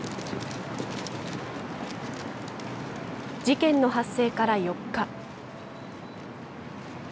事件の発生から４日。